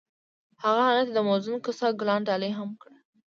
هغه هغې ته د موزون کوڅه ګلان ډالۍ هم کړل.